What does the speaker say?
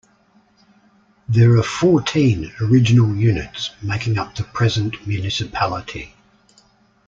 There are fourteen original units making up the present municipality.